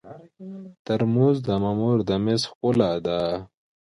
ترموز د مامور د مېز ښکلا ده.